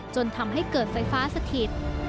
จนทำให้เกิดไฟฟ้าสถิต